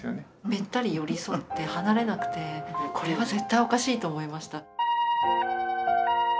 べったり寄り添って離れなくてこれは絶対おかしいと思いました。